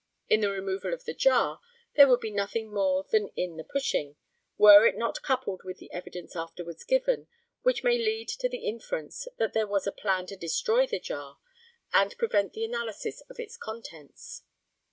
In the removal of the jar, there would be nothing more than in the pushing, were it not coupled with the evidence afterwards given, which may lead to the inference that there was a plan to destroy the jar, and prevent the analysis of its contents.